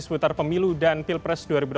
seputar pemilu dan pilpres dua ribu dua puluh